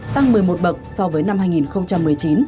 tăng một mươi một bậc so với năm hai nghìn một mươi chín